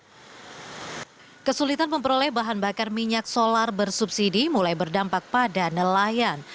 hai kesulitan memperoleh bahan bakar minyak solar bersubsidi mulai berdampak pada nelayan